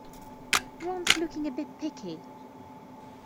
Ron's looking a bit peaky.